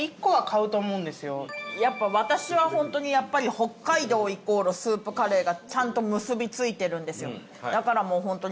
やっぱ私は本当に北海道イコールスープカレーがちゃんと結び付いてるんですよ。